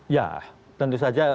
ya tentu saja